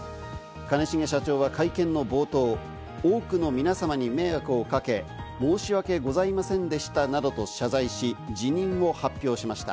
兼重社長は会見の冒頭、多くの皆さまに迷惑をかけ、申し訳ございませんでしたなどと謝罪し、辞任を発表しました。